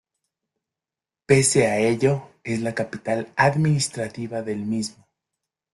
Pese a ello, es la capital administrativa del mismo.